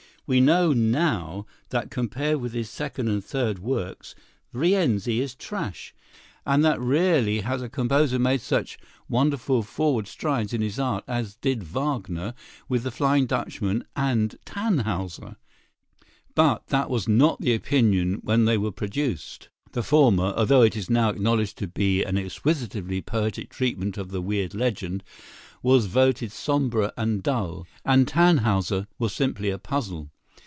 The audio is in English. We know now that compared with his second and third works "Rienzi" is trash, and that rarely has a composer made such wonderful forward strides in his art as did Wagner with "The Flying Dutchman" and "Tannhäuser." But that was not the opinion when they were produced. The former, although it is now acknowledged to be an exquisitely poetic treatment of the weird legend, was voted sombre and dull, and "Tannhäuser" was simply a puzzle.